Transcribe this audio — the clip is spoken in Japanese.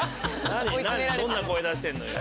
どんな声出してんのよ。